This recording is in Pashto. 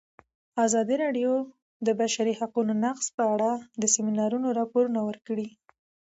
ازادي راډیو د د بشري حقونو نقض په اړه د سیمینارونو راپورونه ورکړي.